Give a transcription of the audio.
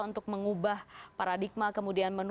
untuk mengubah paradigma kemudian